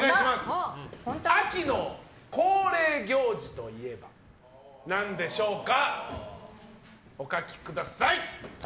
秋の恒例行事といえば何でしょうか？